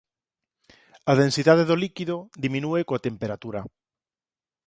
A densidade do líquido diminúe coa temperatura.